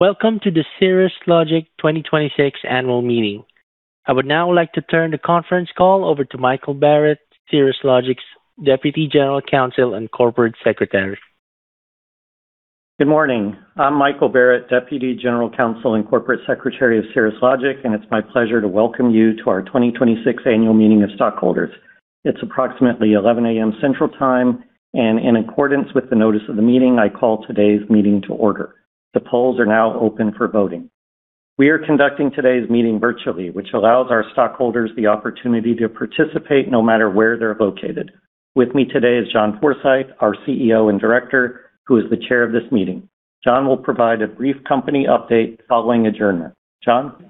Welcome to the Cirrus Logic 2026 annual meeting. I would now like to turn the conference call over to Michael Barrett, Cirrus Logic's Deputy General Counsel and Corporate Secretary. Good morning. I'm Michael Barrett, Deputy General Counsel and Corporate Secretary of Cirrus Logic, and it's my pleasure to welcome you to our 2026 annual meeting of stockholders. It's approximately 11:00 A.M. Central Time, and in accordance with the notice of the meeting, I call today's meeting to order. The polls are now open for voting. We are conducting today's meeting virtually, which allows our stockholders the opportunity to participate no matter where they're located. With me today is John Forsyth, our CEO and Director, who is the Chair of this meeting. John will provide a brief company update following adjournment. John?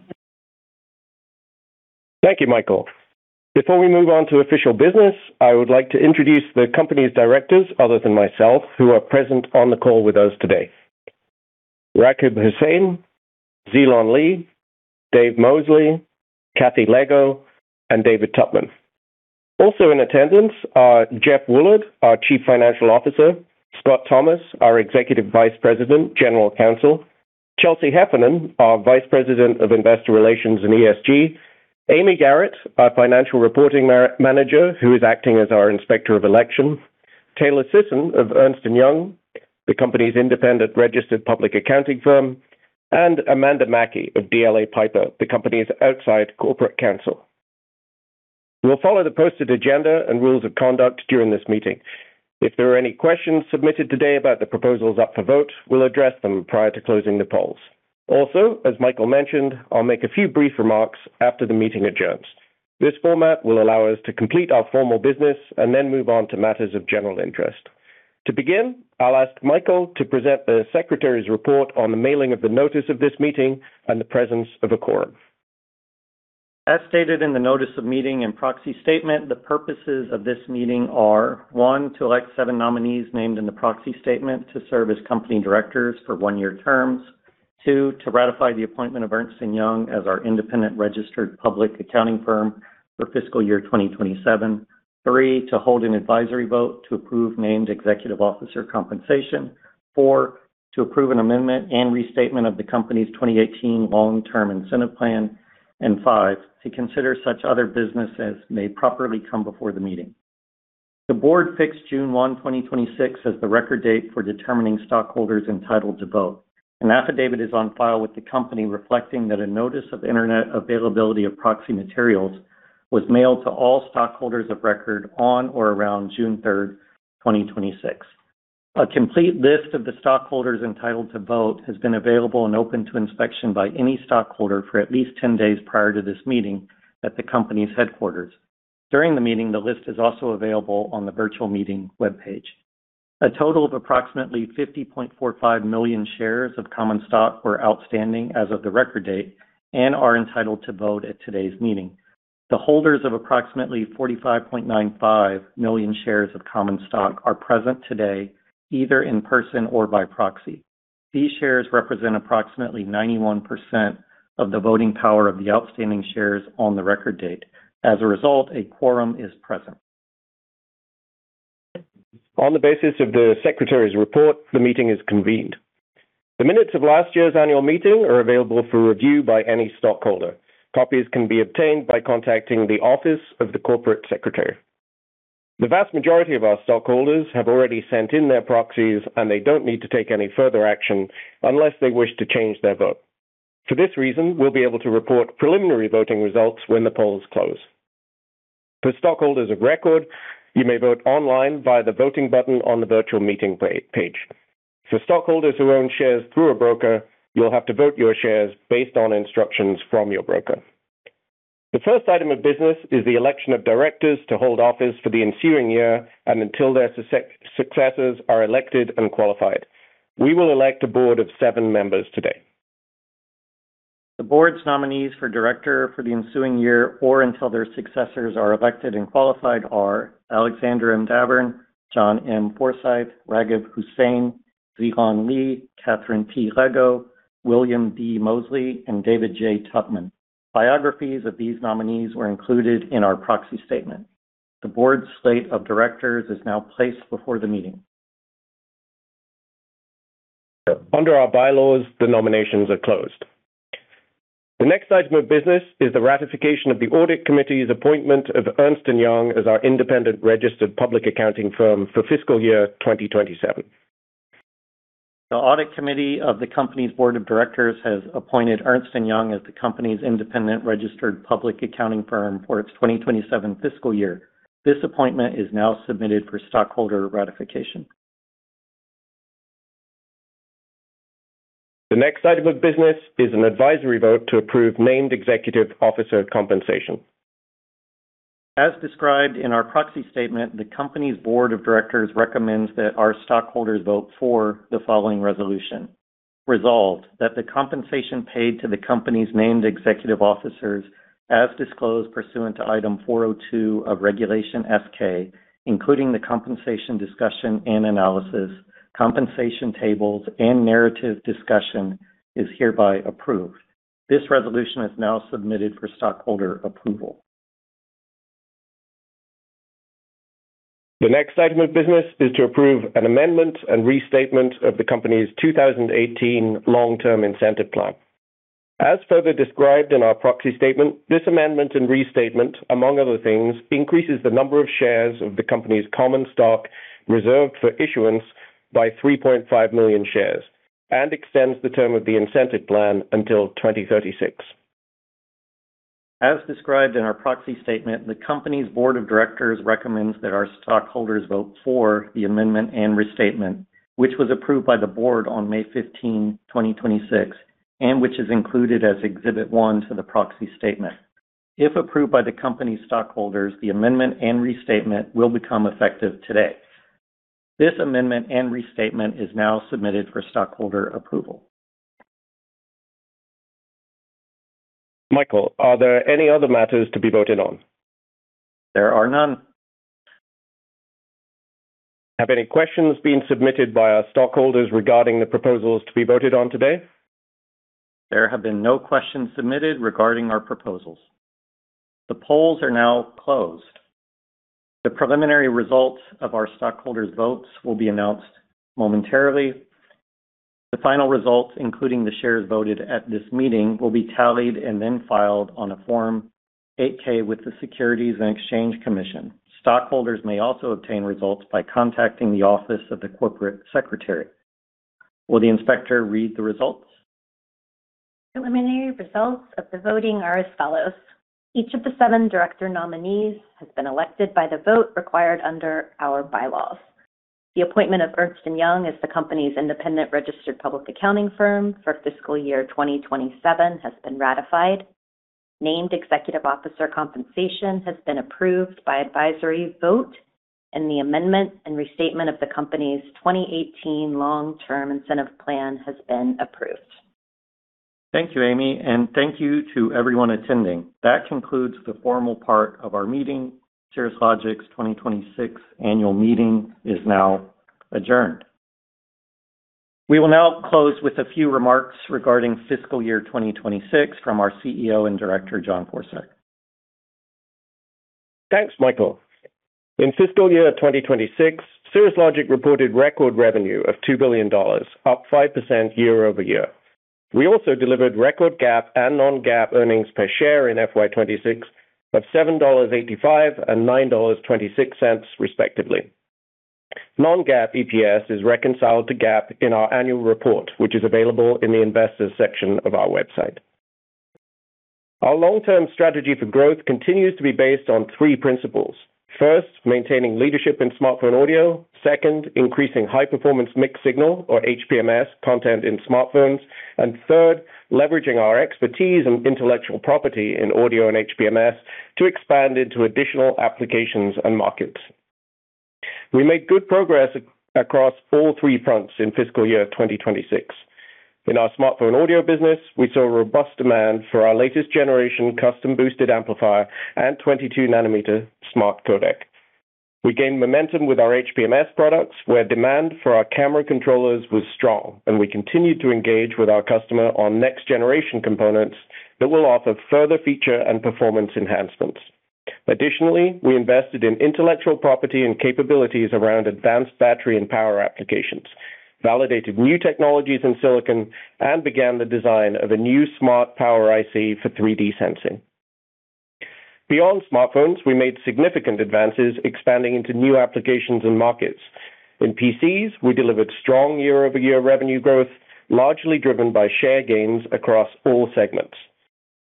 Thank you, Michael. Before we move on to official business, I would like to introduce the company's Directors, other than myself, who are present on the call with us today. Raghib Hussain, Zhiyong Li, Dave Mosley, Cathie Lego, and David Tupman. Also in attendance are Jeff Woolard, our Chief Financial Officer, Scott Thomas, our Executive Vice President, General Counsel, Chelsea Heffernan, our Vice President of Investor Relations and ESG, Amy Garrett, our Financial Reporting Manager, who is acting as our Inspector of Election, Taylor Sisson of Ernst & Young, the company's independent registered public accounting firm, and Amanda Mackey of DLA Piper, the company's outside corporate counsel. We will follow the posted agenda and rules of conduct during this meeting. If there are any questions submitted today about the proposals up for vote, we'll address them prior to closing the polls. As Michael mentioned, I'll make a few brief remarks after the meeting adjourns. This format will allow us to complete our formal business and then move on to matters of general interest. To begin, I'll ask Michael to present the Secretary's report on the mailing of the notice of this meeting and the presence of a quorum. As stated in the notice of meeting and proxy statement, the purposes of this meeting are, one, to elect seven nominees named in the proxy statement to serve as company directors for one-year terms. Two, to ratify the appointment of Ernst & Young as our independent registered public accounting firm for fiscal year 2027. Three, to hold an advisory vote to approve named executive officer compensation. Four, to approve an amendment and restatement of the company's 2018 Long Term Incentive Plan. Five, to consider such other business as may properly come before the meeting. The board fixed June 1, 2026, as the record date for determining stockholders entitled to vote. An affidavit is on file with the company reflecting that a notice of internet availability of proxy materials was mailed to all stockholders of record on or around June 3rd, 2026. A complete list of the stockholders entitled to vote has been available and open to inspection by any stockholder for at least 10 days prior to this meeting at the company's headquarters. During the meeting, the list is also available on the virtual meeting webpage. A total of approximately 50.45 million shares of common stock were outstanding as of the record date and are entitled to vote at today's meeting. The holders of approximately 45.95 million shares of common stock are present today, either in person or by proxy. These shares represent approximately 91% of the voting power of the outstanding shares on the record date. As a result, a quorum is present. On the basis of the Secretary's report, the meeting is convened. The minutes of last year's annual meeting are available for review by any stockholder. Copies can be obtained by contacting the Office of the Corporate Secretary. The vast majority of our stockholders have already sent in their proxies, they don't need to take any further action unless they wish to change their vote. For this reason, we'll be able to report preliminary voting results when the polls close. For stockholders of record, you may vote online via the voting button on the virtual meeting page. For stockholders who own shares through a broker, you'll have to vote your shares based on instructions from your broker. The first item of business is the election of directors to hold office for the ensuing year and until their successors are elected and qualified. We will elect a board of seven members today. The board's nominees for director for the ensuing year or until their successors are elected and qualified are Alexander M. Davern, John M. Forsyth, Raghib Hussain, Zhiyong Li, Catherine T. Lego, William D. Mosley, and David J. Tupman. Biographies of these nominees were included in our proxy statement. The board slate of directors is now placed before the meeting. Under our bylaws, the nominations are closed. The next item of business is the ratification of the Audit Committee's appointment of Ernst & Young as our independent registered public accounting firm for fiscal year 2027. The Audit Committee of the company's board of directors has appointed Ernst & Young as the company's independent registered public accounting firm for its 2027 fiscal year. This appointment is now submitted for stockholder ratification. The next item of business is an advisory vote to approve named executive officer compensation. As described in our proxy statement, the company's board of directors recommends that our stockholders vote for the following resolution. Resolved that the compensation paid to the company's named executive officers, as disclosed pursuant to Item 402 of Regulation S-K, including the compensation discussion and analysis, compensation tables, and narrative discussion is hereby approved. This resolution is now submitted for stockholder approval. The next item of business is to approve an amendment and restatement of the company's 2018 Long Term Incentive Plan. As further described in our proxy statement, this amendment and restatement, among other things, increases the number of shares of the company's common stock reserved for issuance by 3.5 million shares and extends the term of the incentive plan until 2036. As described in our proxy statement, the company's board of directors recommends that our stockholders vote for the amendment and restatement, which was approved by the board on May 15, 2026, and which is included as Exhibit One to the proxy statement. If approved by the company stockholders, the amendment and restatement will become effective today. This amendment and restatement is now submitted for stockholder approval. Michael, are there any other matters to be voted on? There are none. Have any questions been submitted by our stockholders regarding the proposals to be voted on today? There have been no questions submitted regarding our proposals. The polls are now closed. The preliminary results of our stockholders' votes will be announced momentarily. The final results, including the shares voted at this meeting, will be tallied and then filed on a Form 8-K with the Securities and Exchange Commission. Stockholders may also obtain results by contacting the office of the corporate secretary. Will the inspector read the results? Preliminary results of the voting are as follows. Each of the seven director nominees has been elected by the vote required under our bylaws. The appointment of Ernst & Young as the company's independent registered public accounting firm for fiscal year 2027 has been ratified. Named Executive Officer compensation has been approved by advisory vote, and the amendment and restatement of the company's 2018 Long Term Incentive Plan has been approved. Thank you, Amy, and thank you to everyone attending. That concludes the formal part of our meeting. Cirrus Logic's 2026 annual meeting is now adjourned. We will now close with a few remarks regarding fiscal year 2026 from our CEO and Director, John Forsyth. Thanks, Michael. In fiscal year 2026, Cirrus Logic reported record revenue of $2 billion, up 5% year-over-year. We also delivered record GAAP and non-GAAP EPS in FY 2026 of $7.85 and $9.26, respectively. non-GAAP EPS is reconciled to GAAP in our annual report, which is available in the investors section of our website. Our long-term strategy for growth continues to be based on three principles. First, maintaining leadership in smartphone audio. Second, increasing high-performance mixed signal, or HPMS, content in smartphones. Third, leveraging our expertise and intellectual property in audio and HPMS to expand into additional applications and markets. We made good progress across all three fronts in fiscal year 2026. In our smartphone audio business, we saw robust demand for our latest generation custom boosted amplifier and 22 nm smart codec. We gained momentum with our HPMS products, where demand for our camera controllers was strong, and we continued to engage with our customer on next generation components that will offer further feature and performance enhancements. Additionally, we invested in intellectual property and capabilities around advanced battery and power applications, validated new technologies in silicon, and began the design of a new smart power IC for 3D sensing. Beyond smartphones, we made significant advances expanding into new applications and markets. In PCs, we delivered strong year-over-year revenue growth, largely driven by share gains across all segments.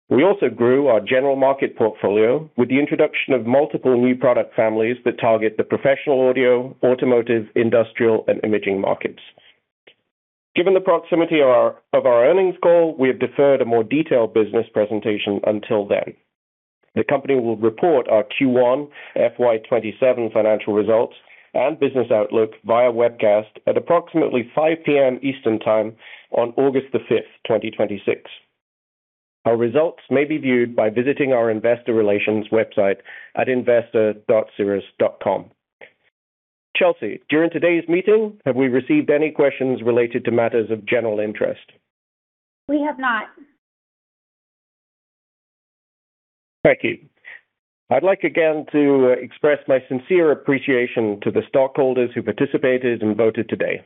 We also grew our general market portfolio with the introduction of multiple new product families that target the professional audio, automotive, industrial, and imaging markets. Given the proximity of our earnings call, we have deferred a more detailed business presentation until then. The company will report our Q1 FY 2027 financial results and business outlook via webcast at approximately 5:00 P.M. Eastern Time on August 5, 2026. Our results may be viewed by visiting our investor relations website at investor.cirrus.com. Chelsea, during today's meeting, have we received any questions related to matters of general interest? We have not. Thank you. I'd like again to express my sincere appreciation to the stockholders who participated and voted today.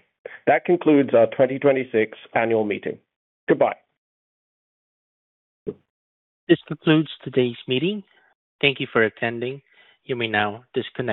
That concludes our 2026 annual meeting. Goodbye. This concludes today's meeting. Thank you for attending. You may now disconnect.